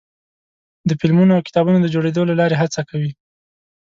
د فلمونو او کتابونو د جوړېدو له لارې هڅه کوي.